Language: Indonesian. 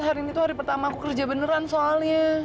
hari ini tuh hari pertama aku kerja beneran soalnya